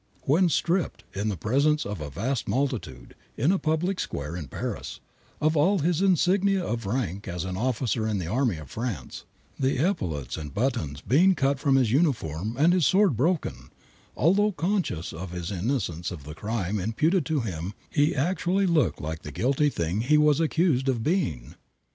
When stripped, in the presence of a vast multitude, in a public square in Paris, of all his insignia of rank as an officer in the army of France, the epaulettes and buttons being cut from his uniform and his sword broken, although conscious of his innocence of the crime imputed to him he actually looked like the guilty thing he was accused of being.